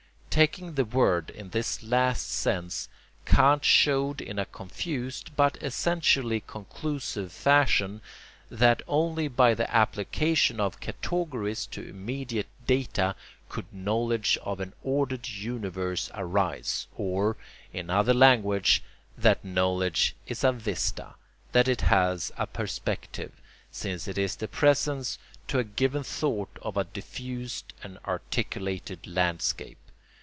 Taking the word in this last sense, Kant showed in a confused but essentially conclusive fashion that only by the application of categories to immediate data could knowledge of an ordered universe arise; or, in other language, that knowledge is a vista, that it has a perspective, since it is the presence to a given thought of a diffused and articulated landscape.